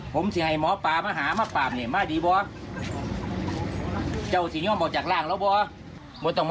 คนที่หมายเล่นที่ดีเสียงเชียง